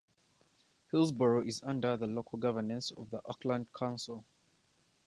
Hillsborough is under the local governance of the Auckland Council.